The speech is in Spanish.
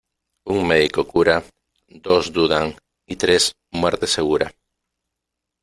Un médico cura, dos dudan y tres muerte segura.